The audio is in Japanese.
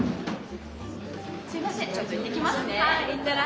すいませんちょっと行ってきますね。